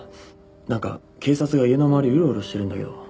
なんか警察が家の周りうろうろしてるんだけど。